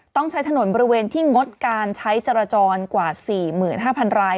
ต้องใช้ถนนบริเวณที่งดการใช้จรจรกว่า๔๕๐๐ราย